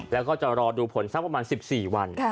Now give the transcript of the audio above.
แล้วก็จะรอดูผลสักประมาณ๑๔วัน